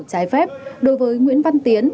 trái phép đối với nguyễn văn tiến